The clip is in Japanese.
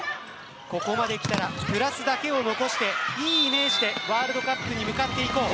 ここまできたらプラスだけを残していいイメージでワールドカップに向かっていこう。